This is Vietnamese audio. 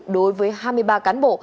đối với hai mươi ba cán bộ